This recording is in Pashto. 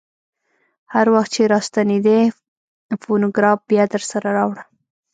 هر وخت چې راستنېدې فونوګراف بیا درسره راوړه.